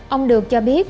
ông được cho biết